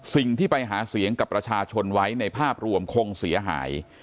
สิ่งที่ไปหาเสียงกับประชาชนไว้ในภาพรวมคงเสียหาย